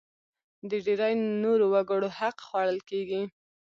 د ډېری نورو وګړو حق خوړل کېږي.